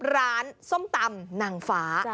ร้านส้มตำหนังฟ้า